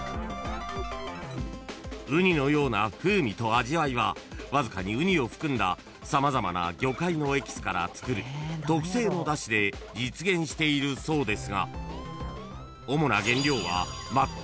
［ウニのような風味と味わいはわずかにウニを含んだ様々な魚介のエキスからつくる特製のだしで実現しているそうですが］